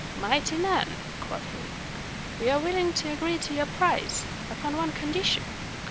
"Mighty man," quoth he, "we are willing to agree to your price upon one condition.